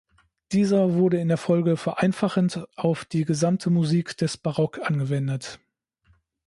Dieser wurde in der Folge vereinfachend auf die gesamte Musik des Barock angewendet.